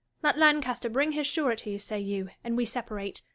Let Lancaster bring his sureties," say you, " and we separate."